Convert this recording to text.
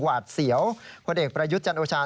หวาดเสี่ยวผู้เด็กประยุทธ์จันทร์โอชา